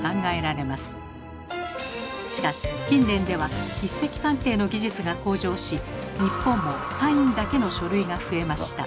しかし近年では筆跡鑑定の技術が向上し日本もサインだけの書類が増えました。